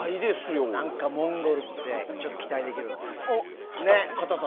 何かモンゴルって期待できる。